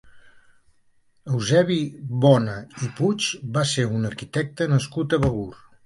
Eusebi Bona i Puig va ser un arquitecte nascut a Begur.